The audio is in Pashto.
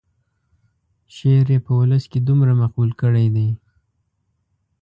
شعر یې په ولس کې دومره مقبول کړی دی.